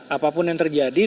apapun yang terjadi